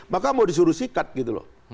maka mau disuruh sikat gitu loh